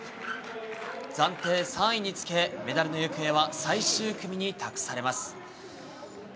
暫定３位につけ、メダルの行方は最終組に託されます。